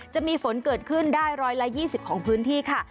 จะมีฝนเกิดขึ้นได้๑๒๐ของพื้นที่ค่ะ